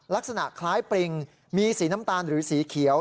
ลักษณะคล้ายปริงมีสีน้ำตาลหรือสีเขียว